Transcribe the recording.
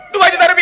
dua juta rupiah